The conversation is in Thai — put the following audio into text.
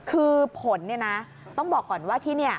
คือผลต้องบอกก่อนว่าที่นี่